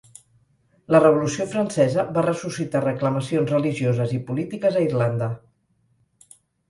La Revolució Francesa va ressuscitar reclamacions religioses i polítiques a Irlanda.